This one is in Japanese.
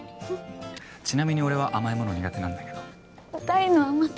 ちなみに俺は甘いもの苦手なんだけど大の甘党？